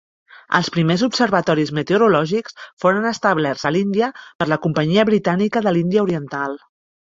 Els primers observatoris meteorològics foren establerts a l'Índia per la Companyia Britànica de l'Índia Oriental.